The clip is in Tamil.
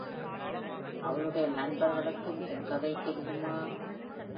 அவளுடைய நண்பர்களுக்கும் என் கதை தெரியுமா’